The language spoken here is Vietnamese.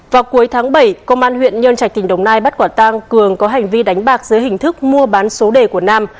vào cuối tháng bảy công an huyện nhân trạch tỉnh đồng nai bắt quả tang cường có hành vi đánh bạc dưới hình thức mua bán số đề của nam